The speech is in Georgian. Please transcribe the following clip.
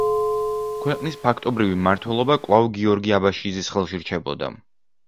ქვეყნის ფაქტობრივი მმართველობა კვლავ გიორგი აბაშიძის ხელში რჩებოდა.